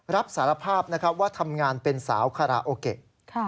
รับสารภาพว่าทำงานเป็นสาวคาราโอเกะ